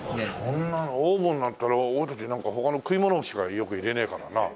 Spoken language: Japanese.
そんなオーブンなんていったら俺たちなんか他の食い物しかよく入れねえからな。